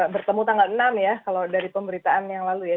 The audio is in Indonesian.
bertemu tanggal enam ya kalau dari pemberitaan yang lalu ya